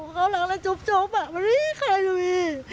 เขารักน้าจุ๊บจุ๊บอ่ะมันไม่มีใครดูอีก